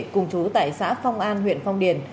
cùng chú tại xã phong an huyện phong điền